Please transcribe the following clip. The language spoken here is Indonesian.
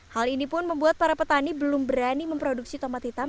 hal ini pun membuat para petani belum berani memproduksi tomat hitam